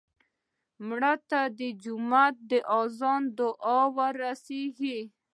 مړه ته د جومات د اذان دعا ورسوې